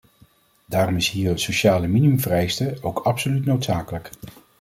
Daarom is hier een sociale minimumvereiste ook absoluut noodzakelijk.